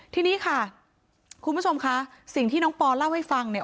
ทีนี้ค่ะคุณผู้ชมคะสิ่งที่น้องปอนเล่าให้ฟังเนี่ย